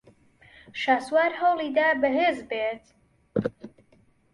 شاسوار ھەوڵی دا بەھێز بێت.